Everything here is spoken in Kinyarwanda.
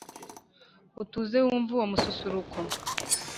utuze wumve uwo mususuruko